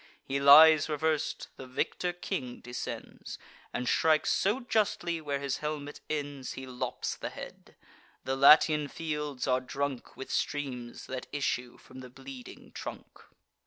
He lies revers'd; the victor king descends, And strikes so justly where his helmet ends, He lops the head. The Latian fields are drunk With streams that issue from the bleeding trunk.